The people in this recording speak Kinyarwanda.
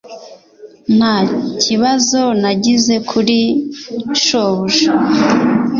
Nta kibazo nagize kuri shobuja